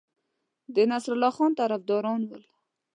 د نصرالله خان طرفداران ول.